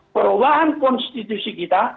perubahan konstitusi kita